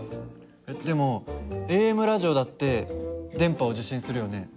でもＡＭラジオだって電波を受信するよね。